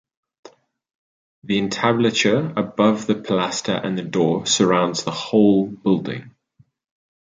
The entablature above the pilaster and the door surrounds the whole building.